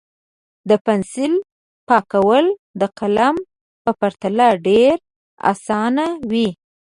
د پنسل پاکول د قلم په پرتله ډېر اسانه وي.